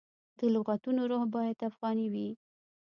د لغتونو روح باید افغاني وي.